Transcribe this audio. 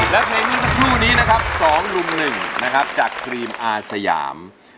และเพลงทั้งคู่นี้นะครับ๒ลุม๑จากครีมอาสยาม